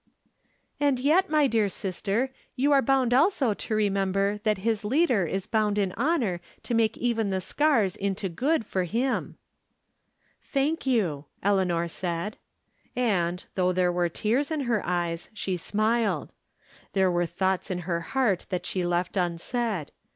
" And yet, my dear sister, you are bound also to remember that his Leader is bound in honor to make even the scars into good for Him." " Thank you," Eleanor said. And, though there were tears in her eyes, she smiled. There were thoughts in her heart that she left unsaid.